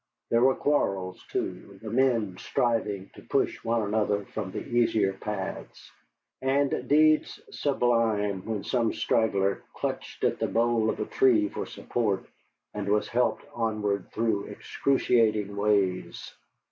There were quarrels, too, the men striving to push one another from the easier paths; and deeds sublime when some straggler clutched at the bole of a tree for support, and was helped onward through excruciating ways.